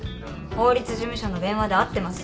法律事務所の電話で合ってます。